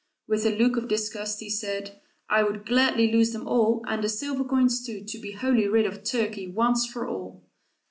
With a look of disgust, he said, "I would gladly lose them all and the silver coins, too, to be wholly rid of Turkey, once for all."